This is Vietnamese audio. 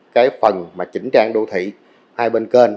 cái phần mà chỉnh trang đô thị hai bên kênh